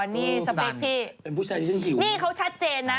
นี่เขาชัดเจนนะ